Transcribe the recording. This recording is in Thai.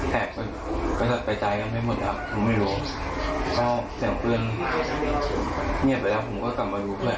พอเสียงปืนเงียบไปแล้วผมก็กลับมาดูเพื่อน